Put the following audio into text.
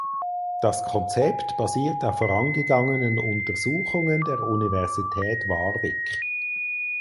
Das Konzept basiert auf vorangegangenen Untersuchungen der Universität Warwick.